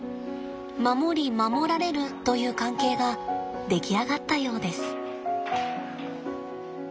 守り守られるという関係が出来上がったようです。